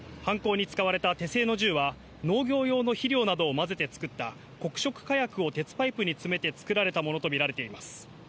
犯行に使われた手製の銃は、農業用の肥料などをまぜて作った黒色火薬を鉄パイプに詰めて作られたものとみられています。